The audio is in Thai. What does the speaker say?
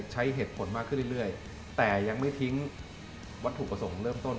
ใช้เหตุผลมากขึ้นเรื่อยแต่ยังไม่ทิ้งวัตถุประสงค์เริ่มต้น